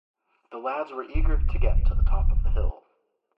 The lads were eager to get to the top of the hill.